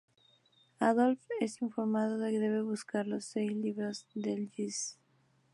Adol es informado que debe buscar los seis libros de Ys.